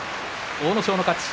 阿武咲の勝ち。